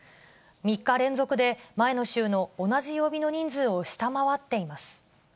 ３日連続で前の週の同じ曜日の人数を下回っています。